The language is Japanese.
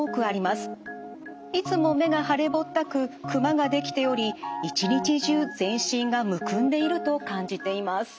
いつも目が腫れぼったくクマが出来ており一日中全身がむくんでいると感じています。